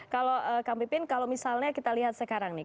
kalau kang pipin kalau misalnya kita lihat sekarang nih